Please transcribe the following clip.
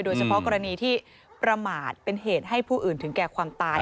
โดยเฉพาะกรณีที่ประมาทเป็นเหตุให้ผู้อื่นถึงแก่ความตาย